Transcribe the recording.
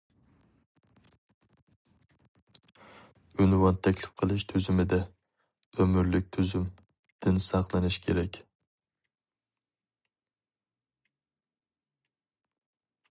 ئۇنۋان تەكلىپ قىلىش تۈزۈمىدە« ئۆمۈرلۈك تۈزۈم» دىن ساقلىنىش كېرەك.